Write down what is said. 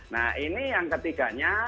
nah ini yang ketiganya